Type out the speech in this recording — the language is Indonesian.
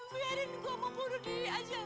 biarin gua mau bunuh diri aja